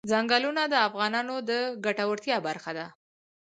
ځنګلونه د افغانانو د ګټورتیا برخه ده.